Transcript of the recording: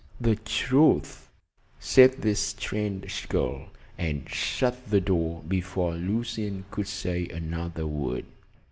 "The truth," said this strange girl, and shut the door before Lucian could say another word.